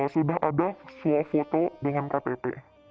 sudah ada suatu foto dengan ktp